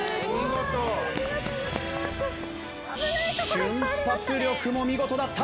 瞬発力も見事だった！